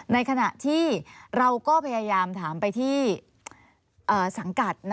ในขณะที่เราก็พยายามถามไปที่สังกัด